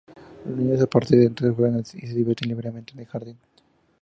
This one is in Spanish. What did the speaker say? Los niños, a partir de entonces, juegan y se divierten libremente en el jardín.